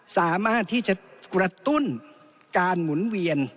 สามารถที่จะกระตุ้นการหมุนเวียน